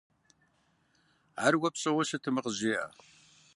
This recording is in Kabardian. Ар уэ пщӀэуэ щытмэ, къызжеӏэ.